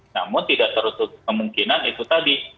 namun tidak tertutup kemungkinan itu tadi